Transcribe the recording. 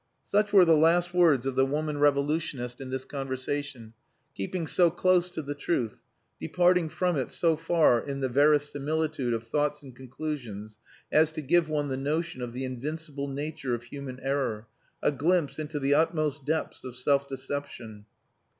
Such were the last words of the woman revolutionist in this conversation, keeping so close to the truth, departing from it so far in the verisimilitude of thoughts and conclusions as to give one the notion of the invincible nature of human error, a glimpse into the utmost depths of self deception.